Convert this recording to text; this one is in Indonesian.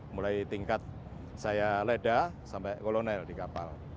mulai tingkat saya leda sampai kolonel di kapal